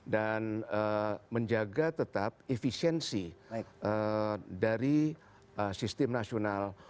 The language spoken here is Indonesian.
dan menjaga tetap efisiensi dari sistem nasional